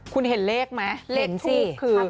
คุณเห็นเลขไหมเลขทูปคือ๙๘๐๒๕๒